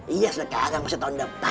iya sekarang masih tahun depan